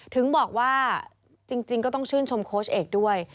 ถึงบอกว่าจริงก็ต้องชื่นชมโค้ชเอกด้วย